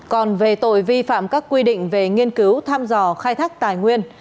còn về tội vi phạm các quy định về nghiên cứu thăm dò khai thác tài nguyên